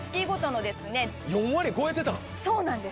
４割超えてたん？